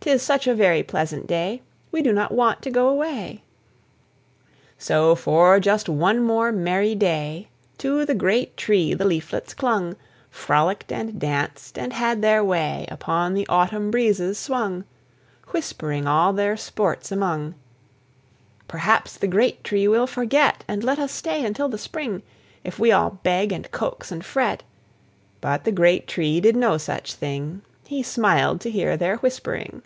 'Tis such a very pleasant day, We do not want to go away." So, for just one more merry day To the great Tree the leaflets clung, Frolicked and danced, and had their way, Upon the autumn breezes swung, Whispering all their sports among "Perhaps the great Tree will forget, And let us stay until the spring, If we all beg, and coax, and fret." But the great Tree did no such thing; He smiled to hear their whispering.